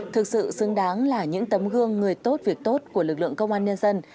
thực sự xứng đáng là những tấm gương người tốt việc tốt của lực lượng công an nhân dân